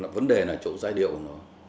vấn đề là chỗ giai điệu của nó